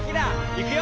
いくよ！